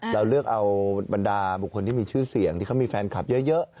เราเลือกเอาบรรดาบุคคลที่มีชื่อเสียงที่เขามีแฟนคลับเยอะ